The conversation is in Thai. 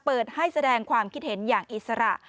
เปิดให้แสดงความคิดเห็นอย่างอิสระ